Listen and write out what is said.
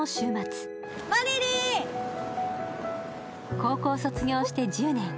高校卒業して１０年。